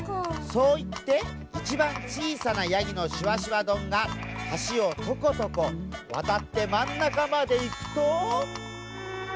そういっていちばんちいさなヤギのしわしわどんがはしをトコトコわたってまんなかまでいくと。